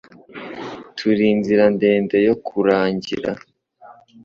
Turi inzira ndende yo kurangira.